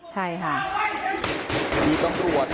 ใช่ค่ะ